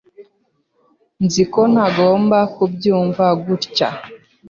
Nzi ko ntagomba kubyumva gutya.